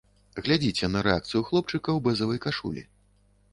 Глядзіце на рэакцыю хлопчыка ў бэзавай кашулі.